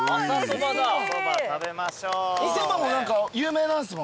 おそばも何か有名なんですもんね。